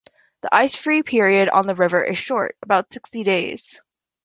The ice-free period on the river is short: about sixty days.